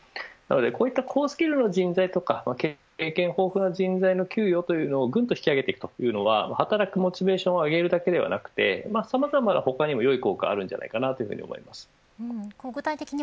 こういった高スキルの人材とか経験豊富な人材の給与を上げていくのは働くモチベーションを上げるだけではなく、さまざまな良い効果があると思います。